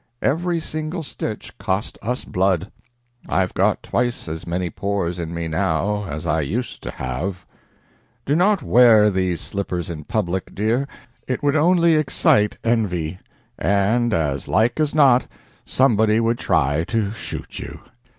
Every single stitch cost us blood. I've got twice as many pores in me now as I used to have .... Do not wear these slippers in public, dear; it would only excite envy; and, as like as not, somebody would try to shoot you."